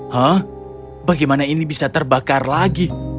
hah bagaimana ini bisa terbakar lagi